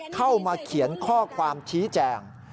เข้ามาเขียนข้อความชี้แจง